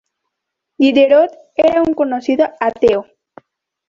Diderot era un conocido ateo.